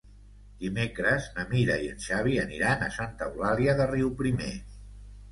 Dimecres na Mira i en Xavi aniran a Santa Eulàlia de Riuprimer.